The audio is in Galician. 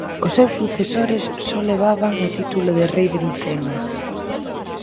Os seus sucesores só levaban o título de rei de Micenas.